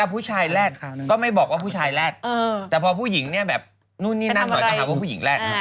ผู้ชายแรดก็ไม่บอกว่าผู้ชายแรดแต่พอผู้หญิงเนี่ยแบบนู่นนี่นั่นหน่อยต้องหาว่าผู้หญิงแรด